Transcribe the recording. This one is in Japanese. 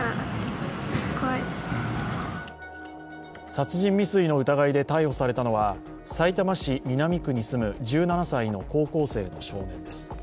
殺人未遂の疑いで逮捕されたのは、さいたま市南区に住む１７歳の高校生の少年です。